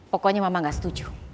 pokoknya mama gak setuju